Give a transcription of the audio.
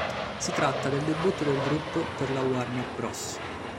Si tratta del debutto del gruppo per la Warner Bros.